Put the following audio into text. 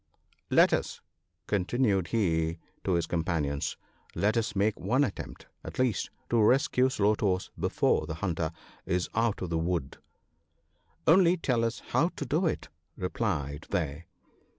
" Let us," continued he to his companions, " let us make one attempt, at least, to rescue Slow toes before the hunter is out of the wood !"" Only tell us how to do it," replied they.